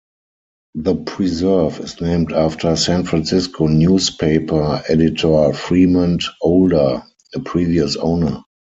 The preserve is named after San Francisco newspaper editor Fremont Older, a previous owner.